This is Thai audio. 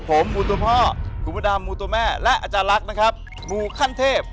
ผมมูตัวพ่อคุณพระดำมูตัวแม่และอาจารย์ลักษณ์นะครับมูขั้นเทพ